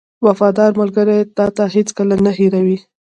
• وفادار ملګری تا هېڅکله نه هېروي.